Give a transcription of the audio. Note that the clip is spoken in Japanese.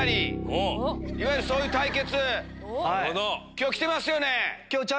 今日来てますよね？